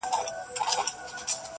بيا دوفا دطمعې جام پسې جانان له ځم